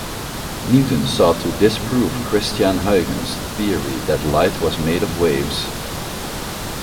Newton sought to disprove Christiaan Huygens' theory that light was made of waves.